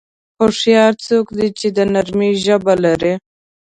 هوښیار څوک دی چې د نرمۍ ژبه لري.